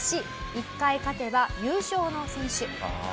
１回勝てば優勝の選手。